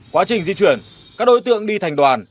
quá trình di chuyển các đối tượng đi thành đoàn